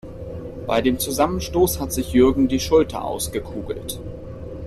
Bei dem Zusammenstoß hat sich Jürgen die Schulter ausgekugelt.